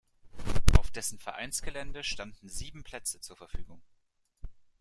Auf dessen Vereinsgelände standen sieben Plätze zur Verfügung.